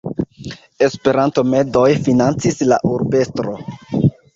Esperanto-medoj financis la Urbestro.